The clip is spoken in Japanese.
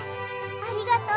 ありがとう！